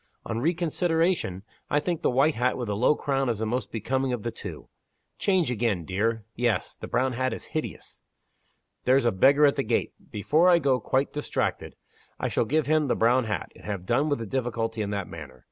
On reconsideration, I think the white hat with the low crown is the most becoming of the two. Change again, dear. Yes! the brown hat is hideous. There's a beggar at the gate. Before I go quite distracted, I shall give him the brown hat, and have done with the difficulty in that manner.